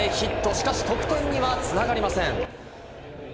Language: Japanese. しかし得点にはつながりません。